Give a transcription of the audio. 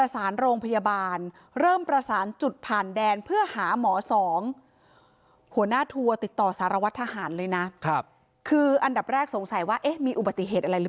ทหารเลยนะครับคืออันดับแรกสงสัยว่ามีอุบัติเหตุอะไรหรือ